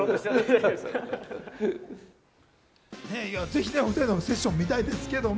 ぜひお２人のセッション見たいですけど。